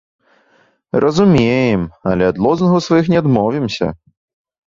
Разумеем, але ад лозунгаў сваіх не адмовімся.